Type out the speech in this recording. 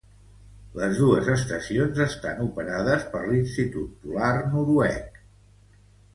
Les dos estacions estan operades per l'Institut Polar Noruec.